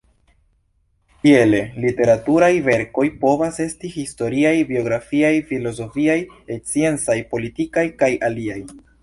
Tiele literaturaj verkoj povas esti historiaj, biografiaj, filozofiaj, sciencaj, politikaj, kaj aliaj.